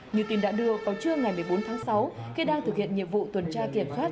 như tin đã đưa vào trưa ngày một mươi bốn tháng sáu khi đang thực hiện nhiệm vụ tuần tra kiểm soát